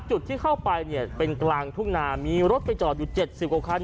จุดที่เข้าไปเนี่ยเป็นกลางทุ่งนามีรถไปจอดอยู่๗๐กว่าคัน